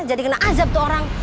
kena azab tuh orang